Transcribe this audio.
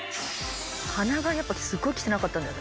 鼻がやっぱりすごい汚かったんだ私。